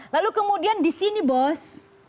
lalu kemudian di sini bos